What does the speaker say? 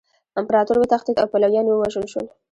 امپراطور وتښتید او پلویان یې ووژل شول.